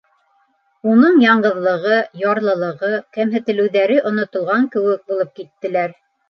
Уның яңғыҙлығы, ярлылығы, кәмһетелеүҙәре онотолған кеүек булып киттеләр.